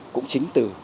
cũng chính từ